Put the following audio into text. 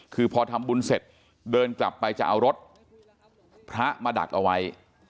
คือพอทำบุญเสร็จเดินกลับไปจะเอารถพระมาดักเอาไว้